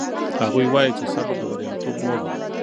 هغوی وایي چې صبر د بریالیتوب مور ده